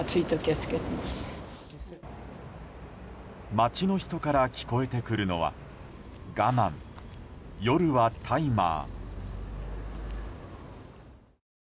街の人から聞こえてくるのは我慢、夜はタイマー。